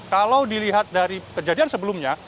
kalau dilihat dari kejadian sebelumnya